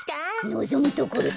のぞむところだ。